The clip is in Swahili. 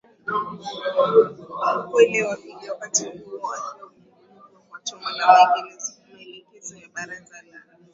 lukwele wa pili wakati huo akiwa Gungulugwa wa Choma kwa maelekezo ya Baraza la